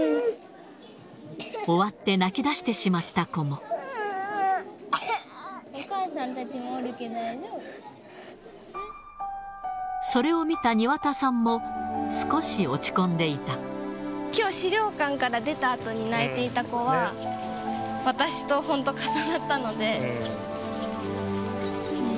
終わって泣きだしてしまったお母さんたちもおるけ、それを見た庭田さんも、きょう、資料館から出たあとに泣いていた子は、私と本当、重なったので。